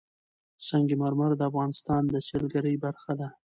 سنگ مرمر د افغانستان د سیلګرۍ برخه ده.